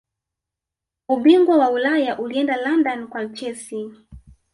ubingwa wa ulaya ulienda london kwa chelsea